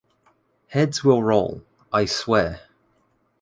heads will roll, I swear!